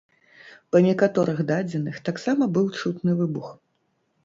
Па некаторых дадзеных, таксама быў чутны выбух.